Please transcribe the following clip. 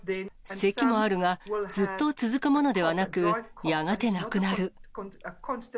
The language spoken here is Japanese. せきもあるが、ずっと続くものではなく、やがてなくなる。